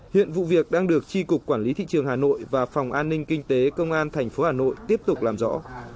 hiện vụ việc đang được tri cục quản lý thị trường hà nội và phòng an ninh kinh tế công an tp hà nội tiếp tục làm rõ